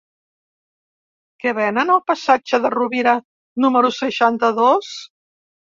Què venen al passatge de Rovira número seixanta-dos?